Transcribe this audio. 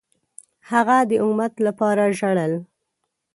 هغه د امت لپاره ژړل.